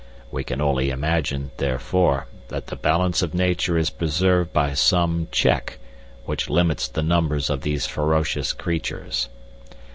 We can only imagine, therefore, that the balance of Nature is preserved by some check which limits the numbers of these ferocious creatures.